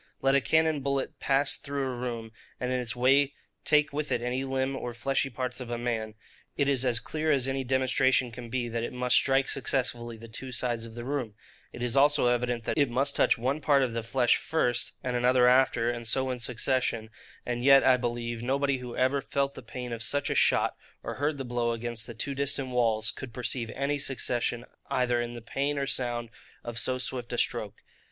Let a cannon bullet pass through a room, and in its way take with it any limb, or fleshy parts of a man, it is as clear as any demonstration can be, that it must strike successively the two sides of the room: it is also evident, that it must touch one part of the flesh first, and another after, and so in succession: and yet, I believe, nobody who ever felt the pain of such a shot, or heard the blow against the two distant walls, could perceive any succession either in the pain or sound of so swift a stroke.